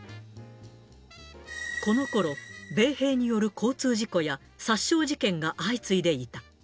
このころ、米兵による交通事故や殺傷事件が相次いでいた。